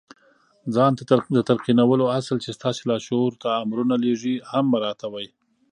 ځان ته د تلقينولو اصل چې ستاسې لاشعور ته امرونه لېږي هم مراعتوئ.